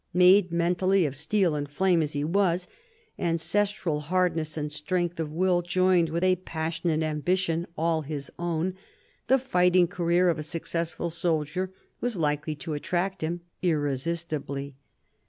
Made mentally of steel and flame as he was, ancestral hardness and strength of will joined with a passionate ambition all his own, the fighting career of a successful soldier was likely to attract him ' irresistibly.